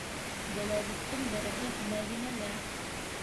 Беләҙектең береһе - Мәҙинәлә.